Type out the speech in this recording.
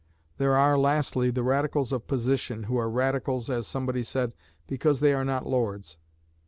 There are, lastly, the Radicals of position, who are Radicals, as somebody said, because they are not lords.